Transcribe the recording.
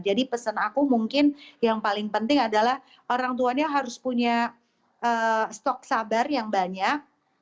jadi pesan aku mungkin yang paling penting adalah orang tuanya harus punya stok sabar yang banyak